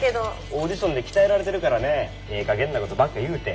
オーディションで鍛えられてるからねええかげんなことばっか言うて。